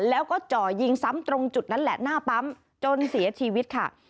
แล้วก็จ่อยิงซ้ำตรงจุดนั้นแหละหน้าปั๊มจนเสียชีวิตค่ะ